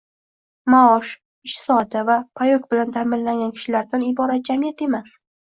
maosh, ish soati va «payok» bilan ta’minlangan kishilardan iborat jamiyat emas